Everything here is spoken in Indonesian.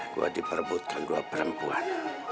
gua diperbutkan dua perempuan